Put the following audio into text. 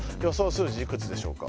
数字いくつでしょうか？